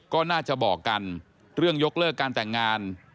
ก็น่าจะบอกกันเรื่องยกเลิกการแต่งงาน